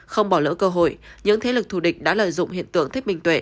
không bỏ lỡ cơ hội những thế lực thù địch đã lợi dụng hiện tượng thích minh tuệ